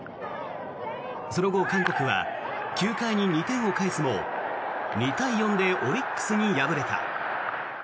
その後、韓国は９回に２点を返すも２対４でオリックスに敗れた。